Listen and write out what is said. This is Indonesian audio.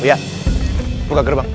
liat buka gerbang